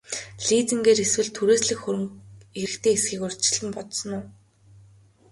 Лизингээр эсвэл түрээслэх хөрөнгө хэрэгтэй эсэхийг урьдчилан бодсон уу?